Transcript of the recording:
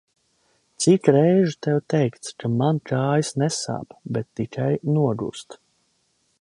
Cik reižu tev teikts, ka man kājas nesāp, bet tikai nogurst.